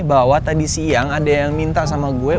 bahwa tadi siang ada yang minta sama gue